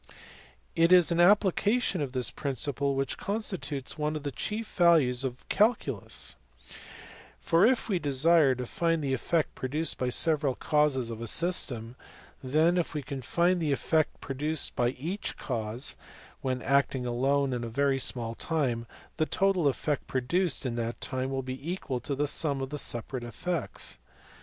It is an application of this principle which constitutes one of the chief values of the calculus ; for if we desire to find the effect produced by several causes on a system, then, if we can find the effect pro duced by each cause when acting alone in a very small time, the total effect produced in that time will be equal to the sum of the separate effects.